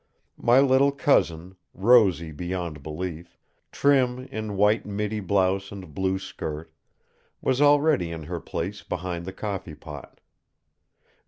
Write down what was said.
My little cousin, rosy beyond belief, trim in white middy blouse and blue skirt, was already in her place behind the coffeepot.